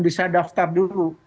bisa daftar dulu